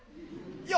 よ